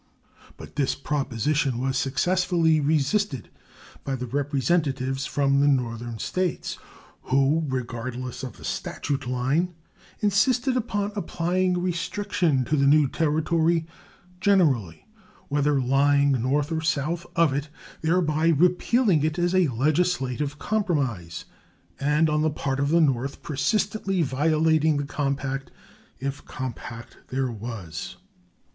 But this proposition was successfully resisted by the representatives from the Northern States, who, regardless of the statute line, insisted upon applying restriction to the new territory generally, whether lying north or south of it, thereby repealing it as a legislative compromise, and, on the part of the North, persistently violating the compact, if compact there was.